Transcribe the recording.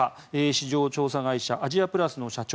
市場調査会社アジアプラスの社長